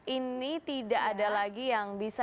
ini tidak ada lagi yang bisa